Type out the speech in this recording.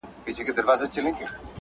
دلته ړاندۀ نه تر دې حده